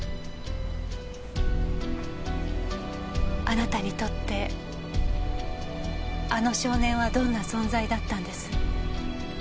あなたにとってあの少年はどんな存在だったんです？